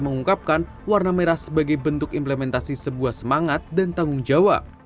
mengungkapkan warna merah sebagai bentuk implementasi sebuah semangat dan tanggung jawab